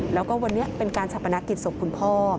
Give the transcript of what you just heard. แล้วก็วันนี้เป็นการชาปนักกิจศพคุณพ่อ